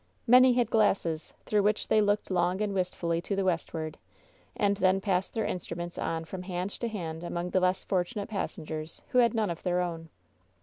Many had glasses, through which they looked long and wistfully to the westward, and then passed their in struments on from hand to hand among the less fortu nate passengers who had none of their own.